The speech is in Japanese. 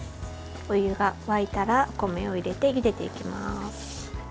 お湯が沸いたら、米を入れてゆでていきます。